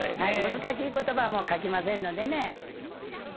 難しい言葉は書きませんのでね。